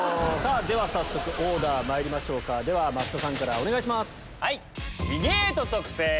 早速オーダーまいりましょうかでは増田さんからお願いします。